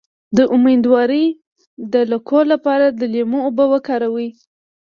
د امیدوارۍ د لکو لپاره د لیمو اوبه وکاروئ